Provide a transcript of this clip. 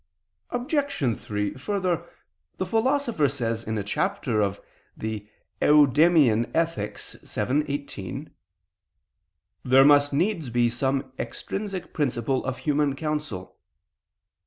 Obj. 3: Further, the Philosopher says in a chapter of the Eudeme[a]n Ethics (vii, 18): "There must needs be some extrinsic principle of human counsel."